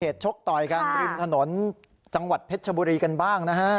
ชกต่อยกันริมถนนจังหวัดเพชรชบุรีกันบ้างนะฮะ